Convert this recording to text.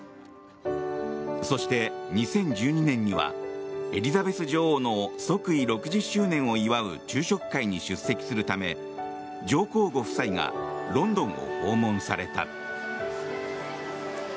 そして、２０１２年にはエリザベス女王の即位６０周年を祝う昼食会に出席するため上皇ご夫妻がロンドンを訪問された。